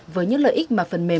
với những lợi ích mà phần mềm